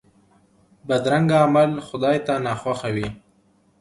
بدرنګه عمل خدای ته ناخوښه وي